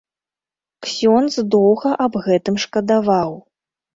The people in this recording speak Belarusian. Ксёндз доўга аб гэтым шкадаваў.